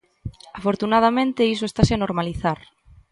Afortunadamente, iso estase a normalizar.